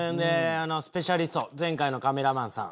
スペシャリスト前回のカメラマンさん。